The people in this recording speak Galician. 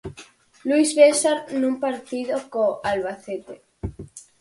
Luís César nun partido co Albacete.